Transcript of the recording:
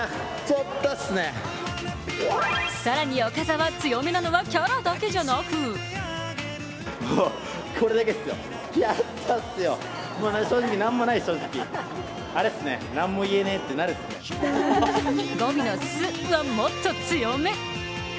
更に岡澤、強めなのはキャラだけじゃなく語尾の「ス」はもっと強め。